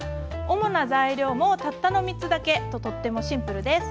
主な材料もたったの３つだけととってもシンプルです。